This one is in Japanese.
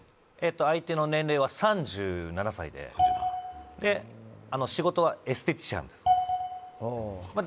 相手の年齢は３７歳でで仕事はエステティシャンあ